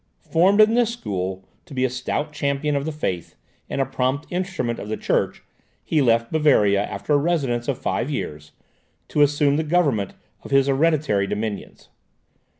Formed in this school to be a stout champion of the faith, and a prompt instrument of the church, he left Bavaria, after a residence of five years, to assume the government of his hereditary dominions.